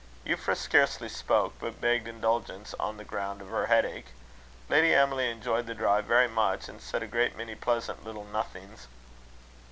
Euphra scarcely spoke; but begged indulgence, on the ground of her headache. Lady Emily enjoyed the drive very much, and said a great many pleasant little nothings.